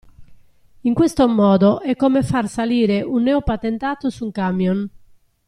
In questo modo è come far salire un neopatentato su un camion.